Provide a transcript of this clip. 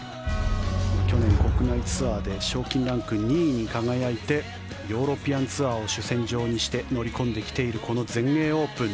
去年、国内ツアーで賞金ランク２位に輝いてヨーロピアンツアーを主戦場にして乗り込んできているこの全英オープン。